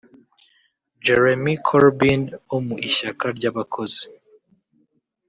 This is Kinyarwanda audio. Jeremy Corbyn wo mu ishyaka ry’abakozi